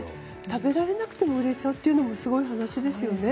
食べられなくても入れちゃうというのはすごい話ですよね。